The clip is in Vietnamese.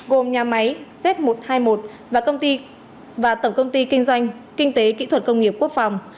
gồm nhà máy z một trăm hai mươi một và tổng công ty kinh doanh kinh tế kỹ thuật công nghiệp quốc phòng